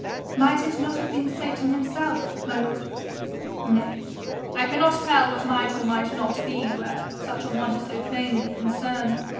'Might it not have been Satan himself, my lord?' 'Nay, I cannot tell what might or might not be where such a one is so plainly concerned.